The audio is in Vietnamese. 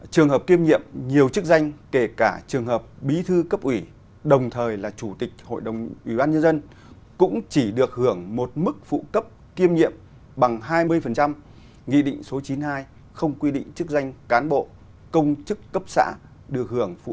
trường hợp kiêm nhiệm nhiều chức danh kể cả trường hợp bí thư cấp ủy đồng thời là chủ tịch hội đồng ủy ban nhân dân